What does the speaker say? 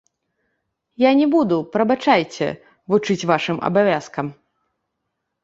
Я не буду, прабачайце, вучыць вашым абавязкам.